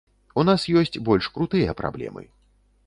У нас ёсць больш крутыя праблемы.